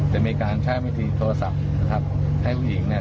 จะมีการใช้วิธีโทรศัพท์นะครับให้ผู้หญิงเนี่ย